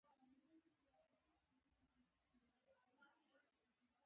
🚍 بس